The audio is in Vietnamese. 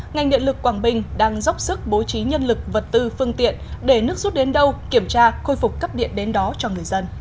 ngành điện lực quảng bình đang dốc sức bố trí nhân lực vật tư phương tiện để nước rút đến đâu kiểm tra khôi phục cấp điện đến đó cho người dân